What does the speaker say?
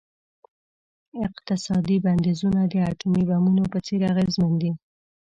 اقتصادي بندیزونه د اټومي بمونو په څیر اغیزمن دي.